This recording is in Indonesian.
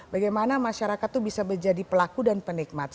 bagaimana masyarakat itu bisa menjadi pelaku dan penikmat